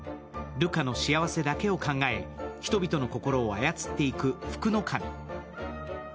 琉花の幸せだけを考え、人々の心を操っていくフクノカミ。